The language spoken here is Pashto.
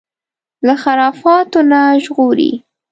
له خرافاتو نه ژغوري